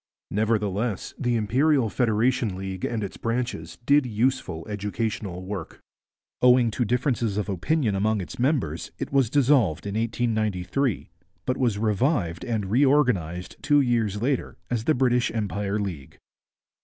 Nevertheless the Imperial Federation League and its branches did useful educational work. Owing to differences of opinion among its members it was dissolved in 1893, but was revived and reorganized two years later as the British Empire League.